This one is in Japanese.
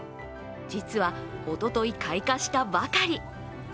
実は、おととい開花したばかり。